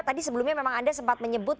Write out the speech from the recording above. tadi sebelumnya memang anda sempat menyebut